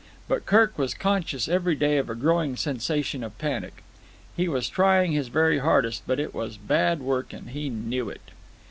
But Kirk was conscious every day of a growing sensation of panic. He was trying his very hardest, but it was bad work, and he knew it.